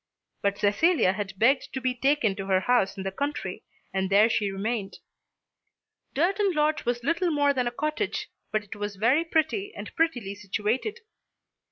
But Cecilia had begged to be taken to her house in the country, and there she remained. Durton Lodge was little more than a cottage, but it was very pretty and prettily situated.